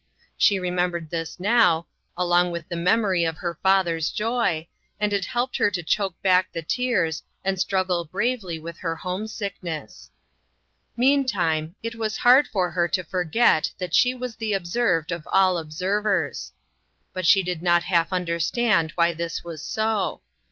She remembered this now, along with the memory of her father's joy, and it helped her to choke back the tears, and struggle bravely with her homesickness. Meantime, it was hard for her to forget that she was the observed of all observers. But .she did not half understand why this was so.